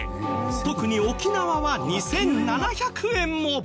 特に沖縄は２７００円も。